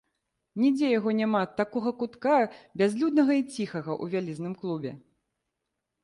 Нідзе яго няма, такога кутка, бязлюднага і ціхага, у вялізным клубе.